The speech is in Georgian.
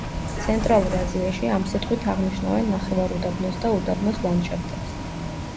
ცენტრალურ აზიაში ამ სიტყვით აღნიშნავენ ნახევარუდაბნოს და უდაბნოს ლანდშაფტებს.